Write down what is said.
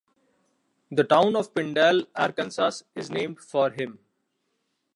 The town of Pindall, Arkansas is named for him.